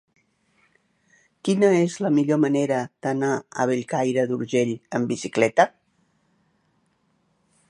Quina és la millor manera d'anar a Bellcaire d'Urgell amb bicicleta?